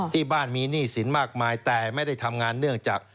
ที่บ้านมีหนี้สินมากมายแต่ไม่ได้ทำงานเนื่องจาก